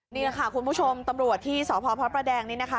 นี่ค่ะคุณผู้ชมตำรวจที่สงครบพระแดงนี้นะคะ